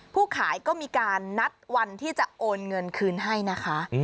ขายก็มีการนัดวันที่จะโอนเงินคืนให้นะคะ